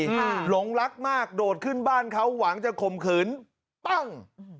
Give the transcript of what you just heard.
หลงรักมากโดดขึ้นบ้านเขาหวังจะข่มขืนปั้งอืม